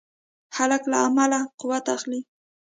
هلک له علمه قوت اخلي.